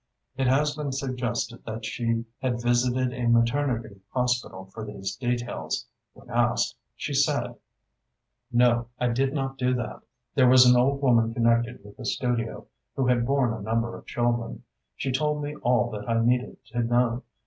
It has been suggested that she had visited a maternity hospital for these details. When asked, she said: "No, I did not do that. There was an old woman connected with the studio, who had borne a number of children. She told me all that I needed to know.